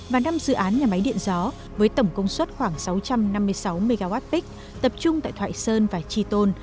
và năm dự án nhà máy điện gió với tổng công suất khoảng sáu trăm năm mươi sáu mwp tập trung tại thoại sơn và tri tôn